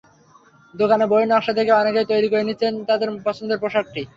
দোকানে বইয়ের নকশা দেখে অনেকেই তৈরি করে নিচ্ছেন তাঁদের পছন্দের পোশাকটি।